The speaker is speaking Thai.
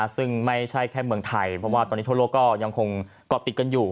ซึ่งไม่ใช่แค่เมืองไทยเพราะว่าตอนนี้ทั่วโลกก็ยังคงเกาะติดกันอยู่